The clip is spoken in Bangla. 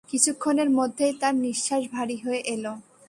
কিছুক্ষণের মধ্যেই তার নিঃশ্বাস ভারি হয়ে এল।